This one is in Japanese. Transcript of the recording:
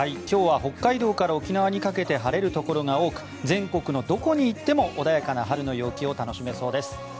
今日は北海道から沖縄にかけて晴れるところが多く全国のどこに行っても穏やかな春の陽気を楽しめそうです。